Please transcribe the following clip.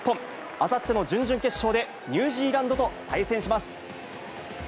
あさっての準々決勝でニュージーランドと対戦します。